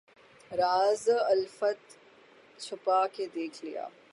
راز الفت چھپا کے دیکھ لیا